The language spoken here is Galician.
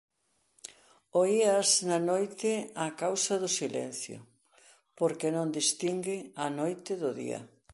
Oíaas na noite a causa do silencio, porque non distingue a noite do día.